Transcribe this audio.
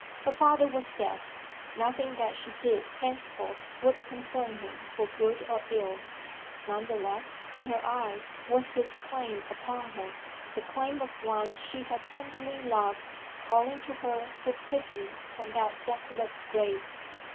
Her father was dead; nothing that she did henceforth would concern him for good or ill; none the less in her eyes was his claim upon her, the claim of one she had tenderly loved calling to her for pity from that desolate grave.